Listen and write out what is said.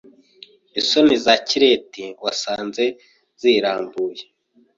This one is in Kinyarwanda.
Isoni za Kirete wasanze zirambuye